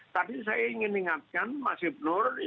tapi saya ingin ingatkan mas ibnur